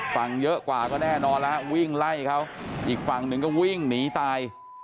เยอะกว่าก็แน่นอนแล้ววิ่งไล่เขาอีกฝั่งหนึ่งก็วิ่งหนีตาย